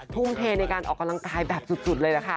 ทุ่มเทในการออกกำลังกายแบบสุดเลยล่ะค่ะ